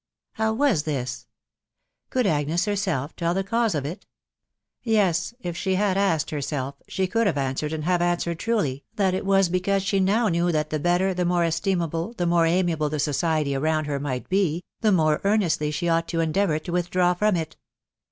How was this ?.... Could Agnes herself tell the cause of it ?.... Yes, if she had asked.heraelf, she could have answered, and have answered truly, that it was because she now knew that the better, the more estimable, the more amiable the society around her might be, the more earnestly she ought to endeavour to withdraw from it.